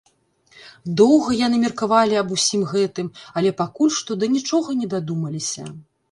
Доўга яны меркавалі аб усім гэтым, але пакуль што да нічога не дадумаліся.